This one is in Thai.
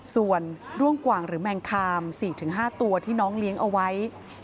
ส่วนด้วงกว่างหรือแมงคาม๔๕ตัวที่น้องเลี้ยงเอาไว้